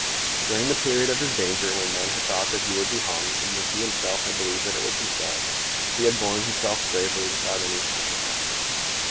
During the period of his danger, when men had thought that he would be hung, and when he himself had believed that it would be so, he had borne himself bravely without any conscious effort.